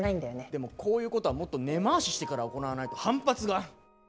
でもこういうことはもっと根回ししてから行わないと反発が。